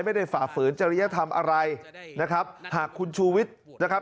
ฝ่าฝืนจริยธรรมอะไรนะครับหากคุณชูวิทย์นะครับ